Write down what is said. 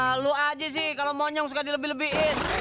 ah lu aja sih kalau monyong suka dilebi lebiin